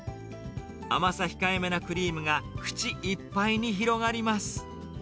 甘さ控えめなクリームが、口いっぱいに広がります。